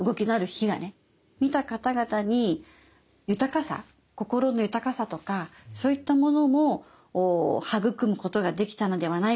見た方々に豊かさ心の豊かさとかそういったものも育むことができたのではないかなぁ。